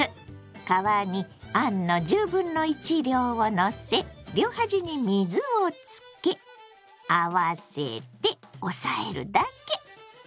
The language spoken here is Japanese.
皮にあんの量をのせ両端に水をつけ合わせて押さえるだけ！